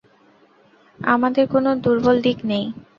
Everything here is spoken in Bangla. আমাদের কোনো দুর্বল দিক নেই।